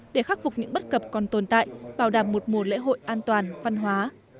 để khắc phục những bất cập còn tồn tại bảo đảm một mùa lễ hội an toàn văn hóa